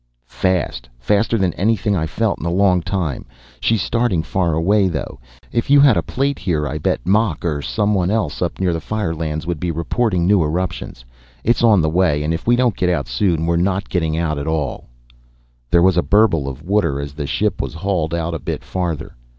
"Fast. Faster than anything I felt in a long time. She's starting far away though, if you had a plate here I bet Mach or someone else up near the firelands would be reporting new eruptions. It's on the way and, if we don't get out soon, we're not getting out t'all." There was a burble of water as the ship was hauled out a bit farther.